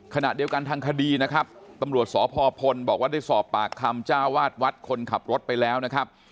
ขณะเดียวกันทางคดีนะครับฝศพบอกว่าได้สอบปากคำจ้าววาสวรรค์คนขับรถไปแล้วนะครับ